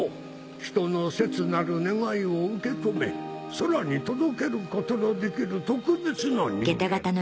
人の切なる願いを受け止め空に届ける事のできる特別な人間。